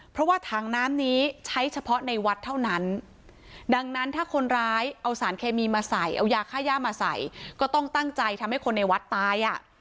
เพราะว่าถังน้ำนี้ใช้เฉพาะในวัดเท่านั้นดังนั้นถ้าคนร้ายเอาสารเคมีมาใส่เอายาค่าย่ามาใส่ก็ต้องตั้งใจทำให้คนในวัดตายอ่ะ